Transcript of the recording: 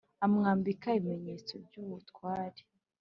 amwambika ibimenyetso by’ubutware,